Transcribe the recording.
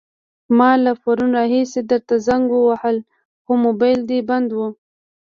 ما له پرون راهيسې درته زنګ وهلو، خو موبايل دې بند وو.